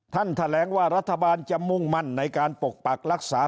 แถลงว่ารัฐบาลจะมุ่งมั่นในการปกปักรักษา